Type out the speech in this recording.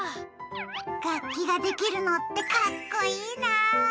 楽器ができるのってかっこいいなあ。